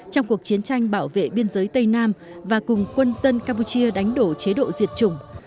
trong cuộc chiến tranh bảo vệ biên giới tây nam và cùng quân dân campuchia đánh đổ chế độ diệt chủng